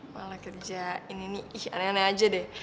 malah kerja ini nih ih aneh aneh aja deh